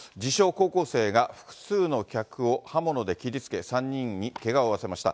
高校生が、複数の客を刃物で切りつけ、３人にけがを負わせました。